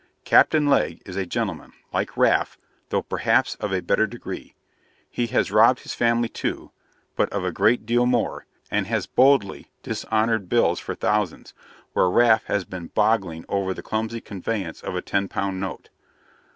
Captain Legg is a gentleman, like Raff, though perhaps of a better degree. He has robbed his family too, but of a great deal more, and has boldly dishonoured bills for thousands, where Raff has been boggling over the clumsy conveyance of a ten pound note.